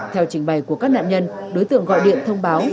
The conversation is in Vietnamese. theo trình bày của các nạn nhân đối tượng gọi điện thông báo